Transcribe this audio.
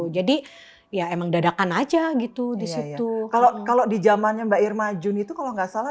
jadi ya emang dadakan aja gitu disitu kalau kalau di zamannya mbak irma jun itu kalau nggak salah